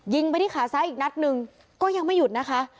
ไปที่ขาซ้ายอีกนัดหนึ่งก็ยังไม่หยุดนะคะ